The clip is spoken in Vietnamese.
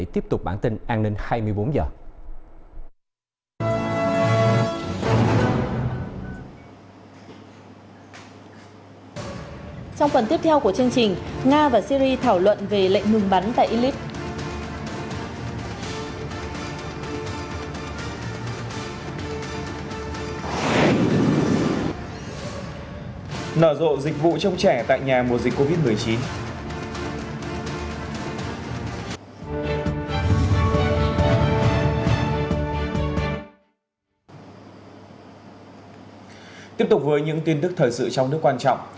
tiếp tục với những tin tức thời sự trong nước quan trọng